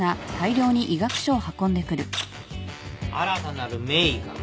新たなる名医か。